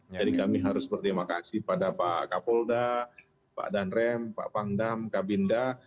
jadi kami harus berterima kasih pada pak kapolda pak danrem pak pangdam kak binda